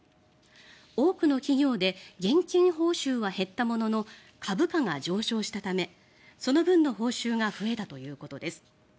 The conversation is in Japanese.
多くの企業で現金報酬は減ったものの株価が上昇したためその分の報酬が増えたということです。